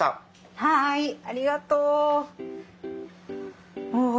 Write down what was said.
はいありがとう。お。